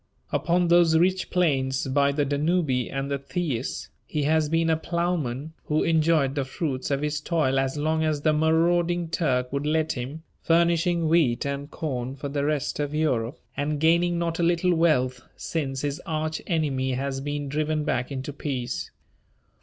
Upon those rich plains by the Danube and the Theis, he has been a plowman who enjoyed the fruits of his toil as long as the marauding Turk would let him, furnishing wheat and corn for the rest of Europe, and gaining not a little wealth since his arch enemy has been driven back into peace.